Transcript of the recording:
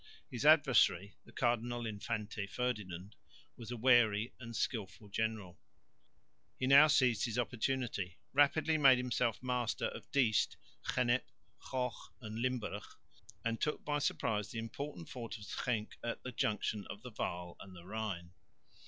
His adversary, the Cardinal Infante Ferdinand, was a wary and skilful general. He now seized his opportunity, rapidly made himself master of Diest, Gennep, Goch and Limburg, and took by surprise the important fort of Schenck at the junction of the Waal and the Rhine.